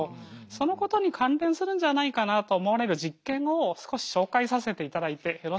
そのことに関連するんじゃないかなと思われる実験を少し紹介させていただいてよろしいでしょうか？